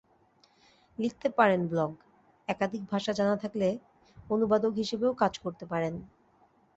লিখতে পারেন ব্লগ, একাধিক ভাষা জানা থাকলে অনুবাদক হিসেবেও কাজ করতে পারেন।